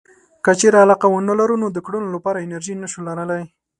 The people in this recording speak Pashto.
که چېرې علاقه ونه لرو نو د کړنو لپاره انرژي نشو لرلای.